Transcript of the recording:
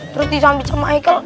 terus disambit sama michael